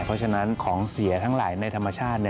เพราะฉะนั้นของเสียทั้งหลายในธรรมชาติ